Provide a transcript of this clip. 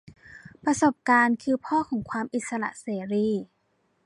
ประสบการณ์คือพ่อของความอิสระเสรี